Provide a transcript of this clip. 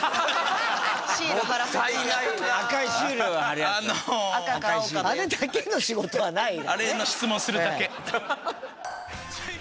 あれだけの仕事はない。